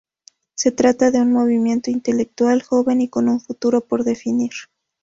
Se trata de un movimiento intelectual joven y con un futuro por definir.